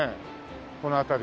この辺り。